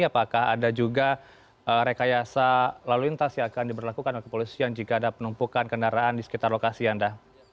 apakah ada juga rekayasa lalu lintas yang akan diberlakukan oleh kepolisian jika ada penumpukan kendaraan di sekitar lokasi anda